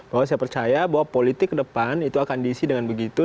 bahwa saya percaya bahwa politik ke depan itu akan diisi dengan begitu